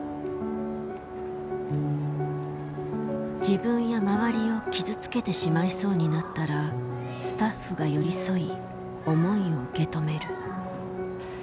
自分や周りを傷つけてしまいそうになったらスタッフが寄り添い思いを受け止める。